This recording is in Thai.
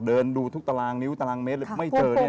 เดินดูทุกตารางนิ้วตารางเมตรเลยไม่เจอเนี่ย